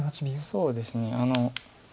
そうですね。